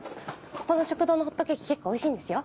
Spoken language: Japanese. ここの食堂のホットケーキ結構おいしいんですよ